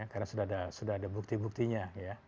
karena sudah ada bukti buktinya